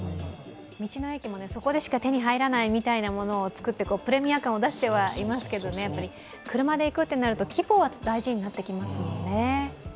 道の駅もそこでしか手に入らないみたいなものを作ってプレミア感を出してはいますけど車で行くとなると、規模は大事になってきますよね。